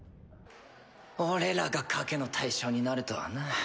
俺らが賭けの対象になるとはな。